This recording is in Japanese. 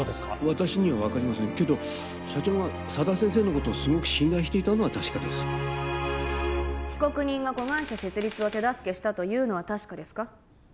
私には分かりませんけど社長が佐田先生のことをすごく信頼していたのは確かです被告人が子会社設立を手助けしたというのは確かですか？